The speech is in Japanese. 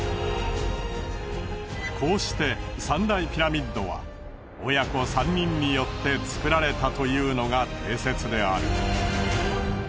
こうして三大ピラミッドは親子３人によって造られたというのが定説である。